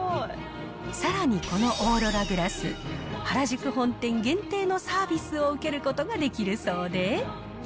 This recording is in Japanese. さらに、このオーロラグラス、原宿本店限定のサービスを受けることができるそうで。